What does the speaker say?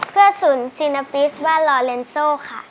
เพื่อศูนย์ซีนาปิสบ้านลอเลนโซค่ะ